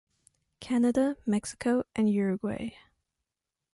Canada, Mexico and Uruguay.